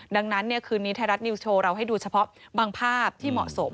ดังนั้นคืนนี้ไทยรัฐนิวสโชว์เราให้ดูเฉพาะบางภาพที่เหมาะสม